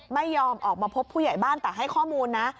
ไม่ยอมออกมาพบผู้ใหญ่บ้านแต่ให้ข้อมูลนะ